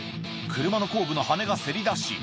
車の後部の羽がせり出し